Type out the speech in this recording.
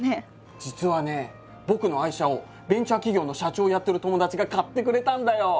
実はね僕の愛車をベンチャー企業の社長をやってる友達が買ってくれたんだよ。